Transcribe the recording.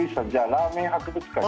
ラーメン博物館に。